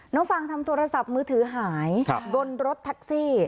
ฟังทำโทรศัพท์มือถือหายบนรถแท็กซี่